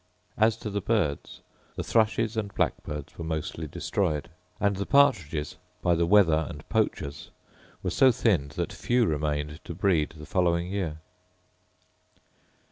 As to the birds, the thrushes and blackbirds were mostly destroyed; and the partridges, by the weather and poachers, were so thinned that few remained to breed the following year.